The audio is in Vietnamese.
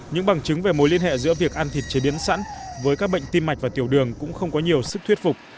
những bằng chứng về mối liên hệ giữa việc ăn thịt chế biến sẵn với các bệnh tim mạch và tiểu đường cũng không có nhiều sức thuyết phục